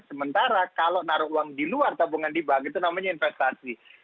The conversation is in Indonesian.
sementara kalau naruh uang di luar tabungan di bank itu namanya investasi